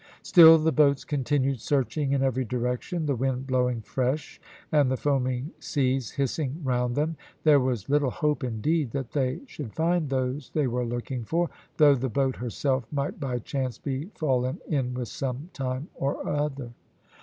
Still the boats continued searching in every direction; the wind blowing fresh, and the foaming seas hissing round them. There was little hope, indeed, that they should find those they were looking for, though the boat herself might by chance be fallen in with some time or other.